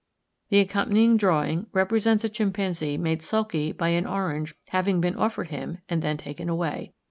The accompanying drawing represents a chimpanzee made sulky by an orange having been offered him, and then taken away.